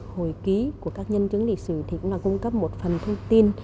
hồi ký của các nhân chứng lịch sử thì cũng là cung cấp một phần thông tin